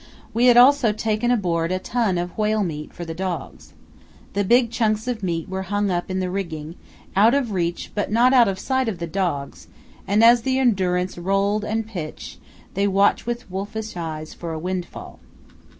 We had also taken aboard a ton of whale meat for the dogs. The big chunks of meat were hung up in the rigging, out of reach but not out of sight of the dogs, and as the Endurance rolled and pitched, they watched with wolfish eyes for a windfall.